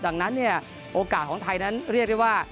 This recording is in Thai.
ดังนั้นเนี่ยโอกาสของไทยนั้นเรียกได้ว่า